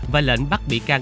và lệnh bắt bị can